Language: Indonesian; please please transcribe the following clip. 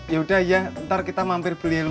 yaudah ya ntar kita mampir beli helm dulu